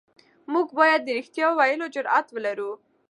موږ بايد د رښتيا ويلو جرئت ولرو.